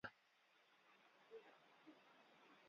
د ژمنې معامله د دوو انسانانو ترمنځ معامله نه ده.